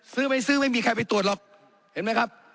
ไม่ซื้อไม่มีใครไปตรวจหรอกเห็นไหมครับ